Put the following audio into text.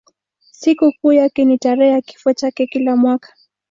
Sikukuu yake ni tarehe ya kifo chake kila mwaka.